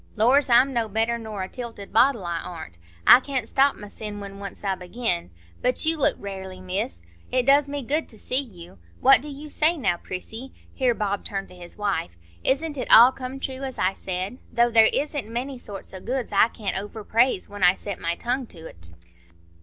Lors! I'm no better nor a tilted bottle, I ar'n't,—I can't stop mysen when once I begin. But you look rarely, Miss; it does me good to see you. What do you say now, Prissy?"—here Bob turned to his wife,—"Isn't it all come true as I said? Though there isn't many sorts o' goods as I can't over praise when I set my tongue to't."